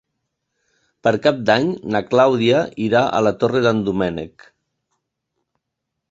Per Cap d'Any na Clàudia irà a la Torre d'en Doménec.